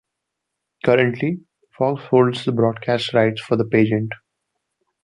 Currently, Fox holds the broadcast rights for the pageant.